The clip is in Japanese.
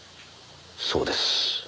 そうです。